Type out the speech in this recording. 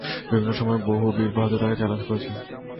বিভিন্ন সময় বহু বীর-বাহাদুর তাকে চ্যালেঞ্জ করেছে।